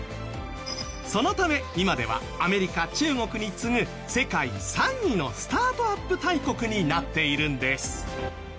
そのため今ではアメリカ中国に次ぐ世界３位のスタートアップ大国になっているんです。